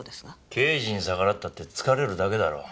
刑事に逆らったって疲れるだけだろ。